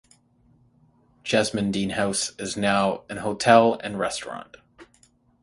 Jesmond Dene House is now an hotel and restaurant.